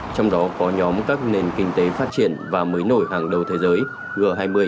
trong đó có nhóm các nền kinh tế phát triển và mới nổi hàng đầu thế giới g hai mươi